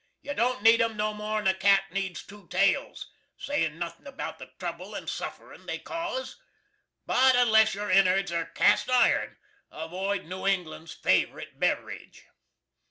You don't need 'em no more'n a cat needs 2 tales, sayin nothin abowt the trubble and sufferin they cawse. But unless your inards air cast iron, avoid New England's favorite Bevrige.